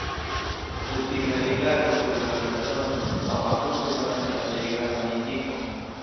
Kutime rigardo sur la fina tono aŭ akordo donas la plej gravan indikon.